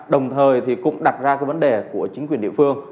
đồng thời cũng đặt ra vấn đề của chính quyền địa phương